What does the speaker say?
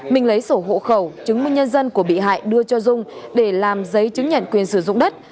mình lấy sổ hộ khẩu chứng minh nhân dân của bị hại đưa cho dung để làm giấy chứng nhận quyền sử dụng đất